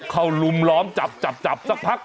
เขาลุมล้อมจับจับจับสักพัก